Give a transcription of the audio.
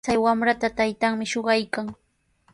Chay wamrata taytanmi shuqaykan.